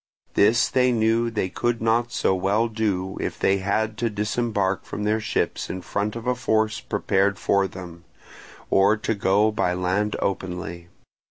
This they knew they could not so well do, if they had to disembark from their ships in front of a force prepared for them, or to go by land openly.